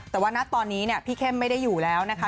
แต่ว่าณตอนนี้พี่เข้มไม่ได้อยู่แล้วนะคะ